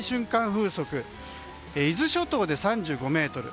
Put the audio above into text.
風速伊豆諸島で３５メートル